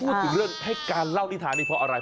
พูดถึงเรื่องให้การเล่านิทานนี้เพราะอะไร